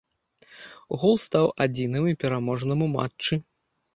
Гол стаў адзіным і пераможным у матчы.